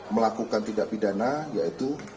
melakukan tindak pidana yaitu